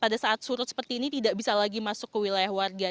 pada saat surut seperti ini tidak bisa lagi masuk ke wilayah warga